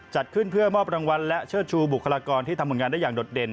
จัดขึ้นเพื่อมอบรางวัลและเชิดชูบุคลากรที่ทำผลงานได้อย่างโดดเด่น